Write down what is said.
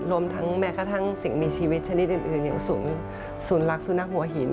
รวมทั้งแม้กระทั่งสิ่งมีชีวิตชนิดอื่นอย่างศูนย์รักสุนัขหัวหิน